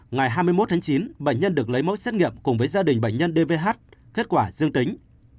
ngày hai mươi một tháng chín bệnh nhân được lấy mẫu xét nghiệm cùng với gia đình bệnh nhân dvh kết quả dương tính